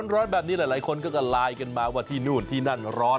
ร้อนแบบนี้หลายคนก็ไลน์กันมาว่าที่นู่นที่นั่นร้อน